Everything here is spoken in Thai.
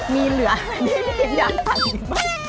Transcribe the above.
มีเหลืออะไรที่อยากทำอีกมั้ย